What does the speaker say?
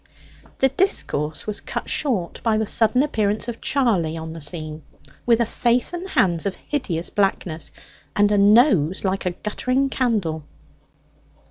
The discourse was cut short by the sudden appearance of Charley on the scene, with a face and hands of hideous blackness, and a nose like a guttering candle.